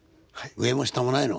上も下もないの。